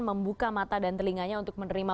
membuka mata dan telinganya untuk menerima